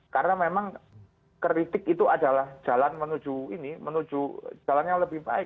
karena memang kritik itu adalah jalan menuju ini menuju jalan yang lebih baik